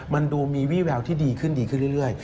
มันดูมีวี่แววที่ดีขึ้นดีขึ้นเรื่อย